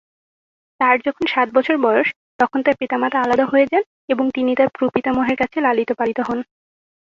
তার যখন সাত বছর বয়স, তখন তার পিতামাতা আলাদা হয়ে যান এবং তিনি তার প্র-পিতামহের কাছে লালিত পালিত হন।